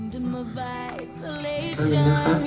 เป็นยังไงคะ